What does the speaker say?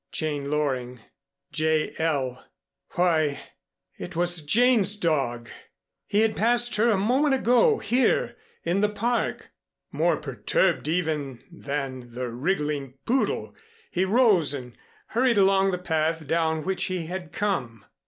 Jane Loring "J. L." Why it was Jane's dog! He had passed her a moment ago here in the park. More perturbed even than the wriggling poodle, he rose and hurried along the path down which he had come.